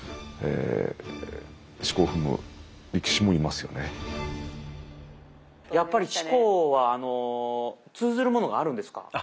もっとやっぱり四股は通ずるものがあるんですか？